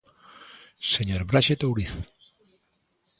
Señor Braxe Touriz.